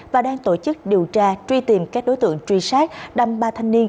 và đang tổ chức điều tra truy tìm các đối tượng truy sát đâm ba thanh niên